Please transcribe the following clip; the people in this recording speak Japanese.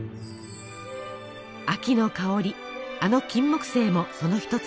秋の香りあのキンモクセイもその一つです。